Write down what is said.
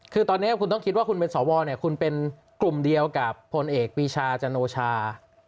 คือตอนนี้คุณต้องคิดว่าคุณเป็นสวเนี่ยคุณเป็นกลุ่มเดียวกับผลเอกปีชาจันโอชา